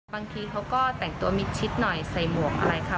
บางทีเขาก็แต่งตัวมิดชิดหน่อยใส่หมวกอะไรค่ะ